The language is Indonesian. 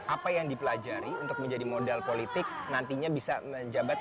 apa yang dipelajari untuk menjadi modal politik nantinya bisa menjabat